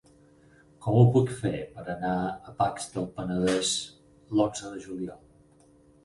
Com ho puc fer per anar a Pacs del Penedès l'onze de juliol?